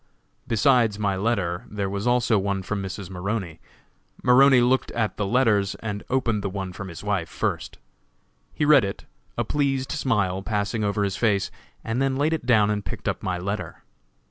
Besides my letter there was also one from Mrs. Maroney. Maroney looked at the letters and opened the one from his wife first. He read it, a pleased smile passing over his face, and then laid it down and picked up my letter.